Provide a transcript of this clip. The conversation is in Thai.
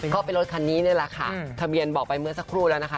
ก็เป็นรถคันนี้นี่แหละค่ะทะเบียนบอกไปเมื่อสักครู่แล้วนะคะ